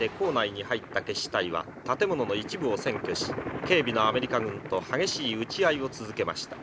「建物の一部を占拠し警備のアメリカ軍と激しい撃ち合いを続けました」。